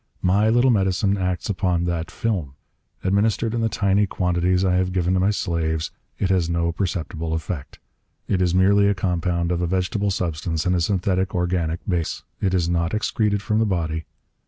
My little medicine acts upon that film. Administered in the tiny quantities I have given to my slaves, it has no perceptible effect. It is merely a compound of a vegetable substance and a synthetic organic base. It is not excreted from the body.